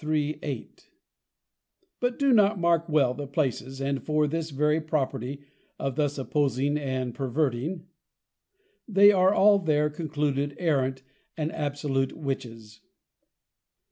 3.8._ Do but mark well the places, and for this very Property (of thus opposing and perverting) they are all there concluded arrant and absolute Witches.